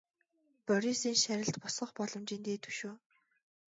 Борисын шарилд босгох боломжийн дээд хөшөө.